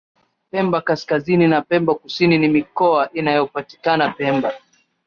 Pemba kaskazini na pemba kusini ni mikoa inayopatikana pemba